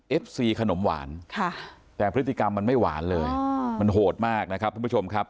ซีขนมหวานแต่พฤติกรรมมันไม่หวานเลยมันโหดมากนะครับทุกผู้ชมครับ